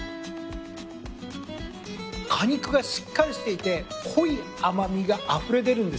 果肉がしっかりしていて濃い甘味があふれ出るんですよ。